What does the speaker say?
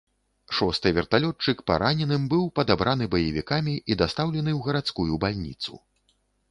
Шосты верталётчык параненым быў падабраны баевікамі і дастаўлены ў гарадскую бальніцу.